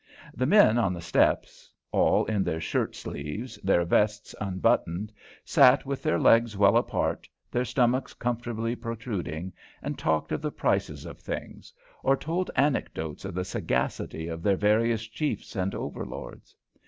The men on the steps all in their shirt sleeves, their vests unbuttoned sat with their legs well apart, their stomachs comfortably protruding, and talked of the prices of things, or told anecdotes of the sagacity of their various chiefs and overlords.